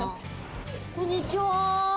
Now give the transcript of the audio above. こんにちは。